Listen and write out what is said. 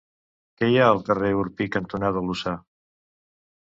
Què hi ha al carrer Orpí cantonada Lucà?